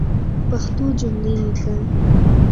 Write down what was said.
پښتو جملی لیکل